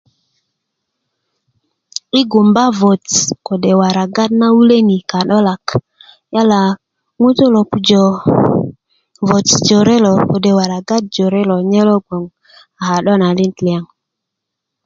yi' gumba vot kode' waraga na wuleni ka'dolak yala ŋutu'lo pujö vots jore lo kode' waragat jore lo nye gboŋ a ka'dolanit liyaŋ